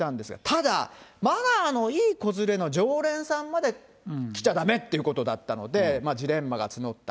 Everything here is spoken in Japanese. ただ、マナーのいい子連れの常連さんまで来ちゃだめっていうことだったので、ジレンマが募った。